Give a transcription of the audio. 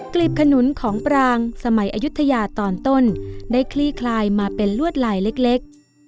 ลีบขนุนของปรางสมัยอายุทยาตอนต้นได้คลี่คลายมาเป็นลวดลายเล็ก